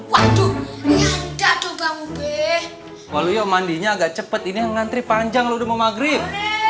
waduh nyanda tuh bang ube walu yuk mandinya agak cepet ini ngantri panjang lu udah mau maghrib